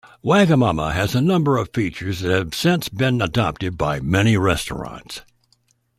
Wagamama has a number of features that have since been adopted by many restaurants.